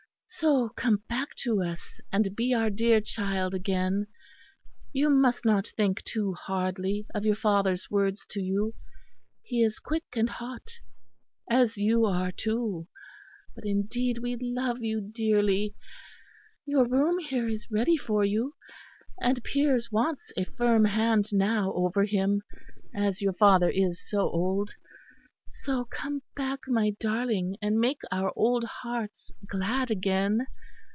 So come back to us and be our dear child again. You must not think too hardly of your father's words to you; he is quick and hot, as you are, too but indeed we love you dearly. Your room here is ready for you; and Piers wants a firm hand now over him, as your father is so old. So come back, my darling, and make our old hearts glad again."